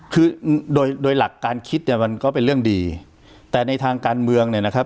คือโดยโดยหลักการคิดเนี่ยมันก็เป็นเรื่องดีแต่ในทางการเมืองเนี่ยนะครับ